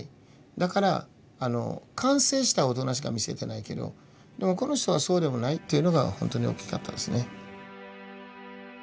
だから完成した大人しか見せてないけどでもこの人はそうでもないっていうのが本当に大きかったですね。